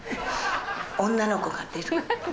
女の子が出る。